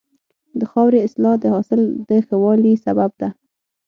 د خاورې اصلاح د حاصل د ښه والي سبب ده.